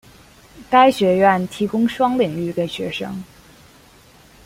该学院提供双领域给学生。